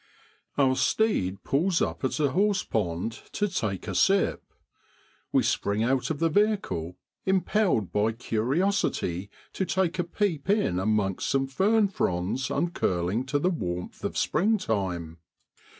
Our steed pulls up at a horse pond to take a sip. We spring out of the vehicle impelled by curiosity to take a peep in amongst some fern fronds uncurling to the warmth of springtime.